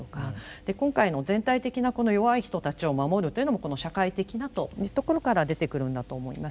で今回の全体的なこの弱い人たちを守るというのもこの「社会的な」というところから出てくるんだと思います。